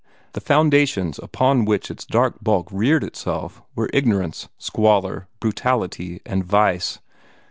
The foundations upon which its dark bulk reared itself were ignorance, squalor, brutality and vice.